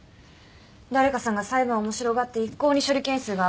誰かさんが裁判を面白がって一向に処理件数があがらないので。